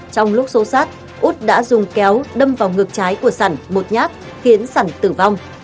trong lúc xô sát út đã dùng kéo đâm vào ngực trái của sằn một nhát khiến sản tử vong